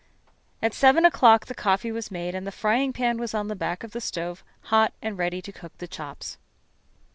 At seven o'clock the coffee was made and the frying pan was on the back of the stove hot and ready to cook the chops.